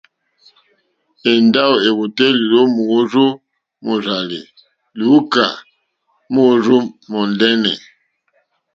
Èndáwò èwòtélì ó mòrzó mòrzàlì lùúkà móòrzó mòndɛ́nɛ̀.